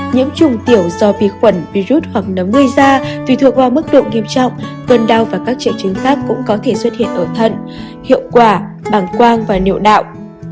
nhiễm chủng tiểu do vi khuẩn virus hoặc nấm người da tùy thuộc vào mức độ nghiêm trọng cơn đau và các triệu chứng khác cũng có thể xuất hiện ở thận hiệu quả bằng quang và niệu đạo